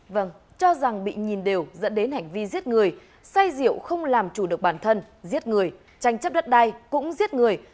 vâng cho rằng bị nhìn đều dẫn đến hành vi giết người say rượu không làm chủ được bản thân giết người tranh chấp đất đai cũng giết người